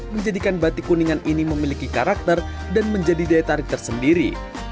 menjadikan batik kuningan ini memiliki karakter dan menjadi daya tarik tersendiri